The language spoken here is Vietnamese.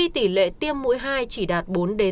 tỷ lệ tiêm mũi hai chỉ đạt bốn tám